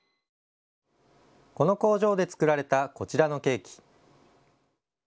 この工場で作られたこちらのケーキ。